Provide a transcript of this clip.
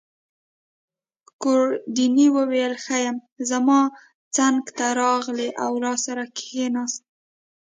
ګوردیني وویل: ښه یم. زما څنګته راغلی او راسره کښېناست.